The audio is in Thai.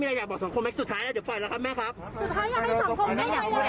แม่ก็อยากให้สังคมเข้าไปให้แม่ได้เข้าไปไหมคะ